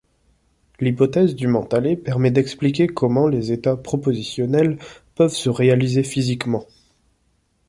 L'hypothèse du mentalais permet d'expliquer comment les états propositionnels peuvent se réaliser physiquement.